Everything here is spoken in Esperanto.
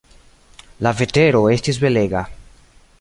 La vetero estis belega.